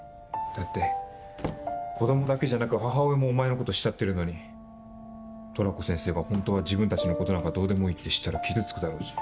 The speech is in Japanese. だって子供だけじゃなく母親もお前のこと慕ってるのにトラコ先生がホントは自分たちのことなんかどうでもいいって知ったら傷つくだろうし。